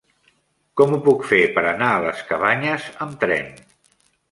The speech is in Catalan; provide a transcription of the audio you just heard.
Com ho puc fer per anar a les Cabanyes amb tren?